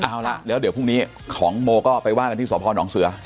เอาละแล้วเดี๋ยวพรุ่งนี้ของโมก็ไปว่ากันที่สพนเสือ